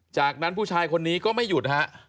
จากนั้นผู้ชายคนนี้ก็ไม่หยุดฮะ